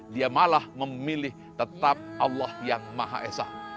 dia malah memilih tetap allah yang maha esa